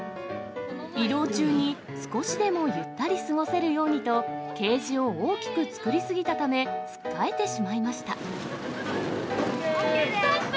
移動中に少しでもゆったり過ごせるようにと、ケージを大きく作り過ぎたため、つっかえてしまいました。